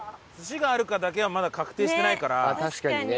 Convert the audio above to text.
確かにね。